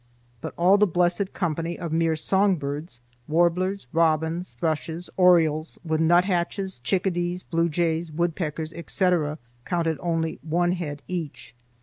But all the blessed company of mere songbirds, warblers, robins, thrushes, orioles, with nuthatches, chickadees, blue jays, woodpeckers, etc., counted only one head each.